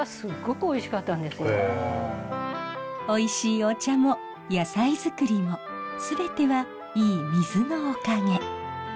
おいしいお茶も野菜づくりも全てはいい水のおかげ。